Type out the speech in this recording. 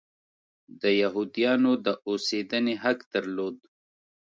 د یهودیانو د اوسېدنې حق درلود.